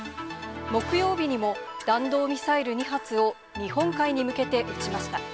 木曜日にも弾道ミサイル２発を日本海に向けて撃ちました。